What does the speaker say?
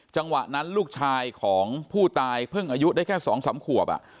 จังหวะนั้นลูกชายของผู้ตายเพิ่งอายุได้แค่๒๓ขวบ